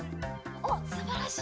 おっすばらしい。